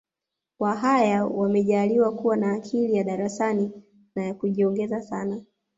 Wahaya wamejaaliwa kuwa na akili ya darasani na ya kujiongeza sana